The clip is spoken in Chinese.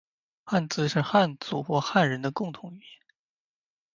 汉字是汉族或华人的共同文字